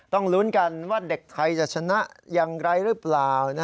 ต้องลุ้นกันว่าเด็กไทยจะชนะอย่างไรหรือเปล่า